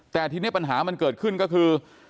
แต่ทีนี้ปัญหามันเกิดขึ้นก็คือ